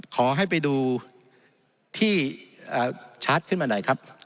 ขอให้ไปดูที่ชาร์จขึ้นมาหน่อยครับ